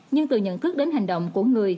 nhưng từ nhận thức đến hành động của người